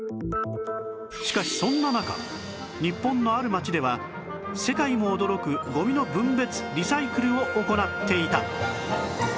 しかしそんな中日本のある町では世界も驚くゴミの分別リサイクルを行っていた